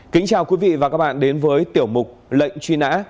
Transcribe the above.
kính chào quý vị và các bạn đến với tiểu mục lệnh truy nã